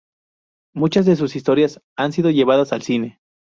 Muchas de sus historias han sido llevadas al cine.